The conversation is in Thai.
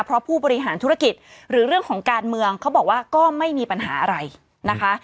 เพราะผู้บริหารธุรกิจหรือเรื่องของการเมืองเขาบอกว่าก็ไม่มีปัญหาอะไรนะคะ